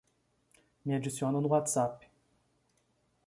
Me adiciona no WhatsApp